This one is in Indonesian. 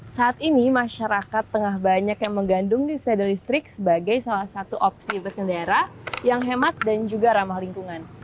saat ini masyarakat tengah banyak yang menggandung di sepeda listrik sebagai salah satu opsi berkendara yang hemat dan juga ramah lingkungan